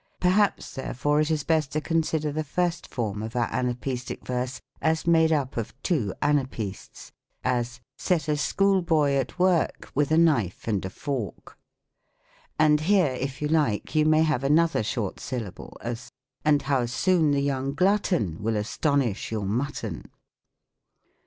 Perhaps, therefore, it is best to consider the first form of our Anapaestic verse, as made up of two anapaests: as, " Set a schoolboy at work , With a knife and a fork." And hei'e if you like, you may have another short syllable : as, " And how soon the yoQng glutton Will astonish your mutton